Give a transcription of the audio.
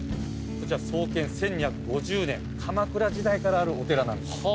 こちら創建１，２５０年鎌倉時代からあるお寺なんです。